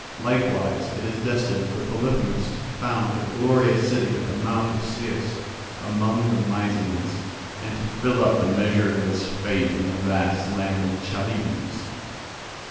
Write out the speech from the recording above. Likewise it is destined for Polyphemus to found a glorious city at the mouth of Cius among the Mysians and to fill up the measure of his fate in the vast land of the Chalybes.